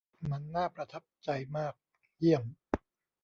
มันน่าประทับใจมาก เยี่ยม